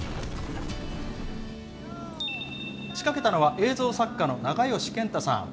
仕掛けたのは、映像作家の永芳健太さん。